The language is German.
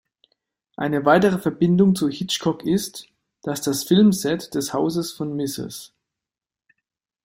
Eine weitere Verbindung zu Hitchcock ist, dass das Filmset des Hauses von Mrs.